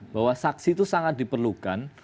bahwa saksi itu sangat diperlukan